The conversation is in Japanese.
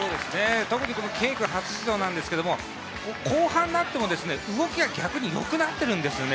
特にＫ君初出場なんですけれども、後半になっても動きが逆によくなってるんですよね。